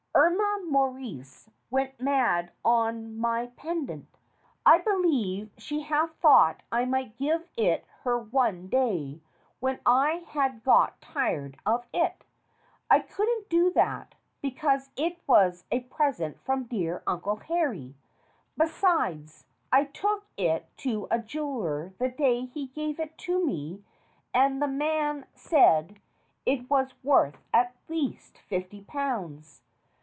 Irma Morrice went mad on my pendant. I be lieve she half thought I might give it her one day when I had got tired of it. I couldn't do that, because it was a present from dear Uncle Harry. Besides, I took it to a jeweller the day he gave it to me, and the man said it was worth at least fifty pounds."